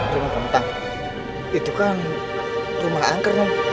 rumah kentang itu kan rumah angker neng